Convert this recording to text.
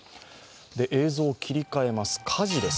映像を切り替えます、火事です。